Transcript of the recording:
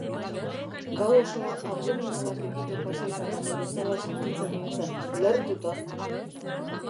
Gau osoa abdominalak egiten pasa izan banu bezala sentitzen nintzen, lehertuta.